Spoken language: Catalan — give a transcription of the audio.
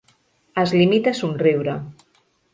Es limita a somriure.